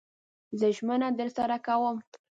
زه ژمنه درسره کوم